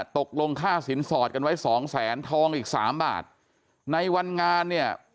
ตกลงค่าสินสอดกันไว้สองแสนทองอีกสามบาทในวันงานเนี่ย